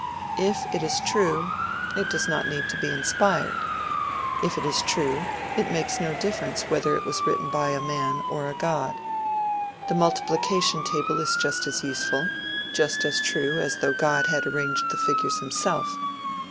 If it is true, it does not need to be inspired. If it is true, it makes no difference whether it was written by a man or a god. The multiplication table is just as useful, just as true as though God had arranged the figures himself.